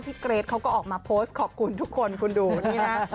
เกรทเขาก็ออกมาโพสต์ขอบคุณทุกคนคุณดูนี่ฮะ